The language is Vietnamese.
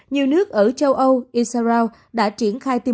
nhiều nước ở châu âu israel